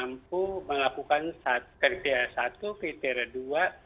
mampu melakukan kriteria satu kriteria dua